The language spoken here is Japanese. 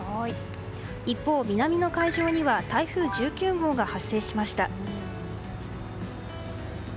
一方、南の海上には台風１９号が発生しました。